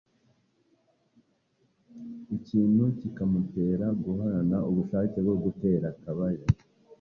ikintu kikamutera guhorana ubushake bwo gutera akabariro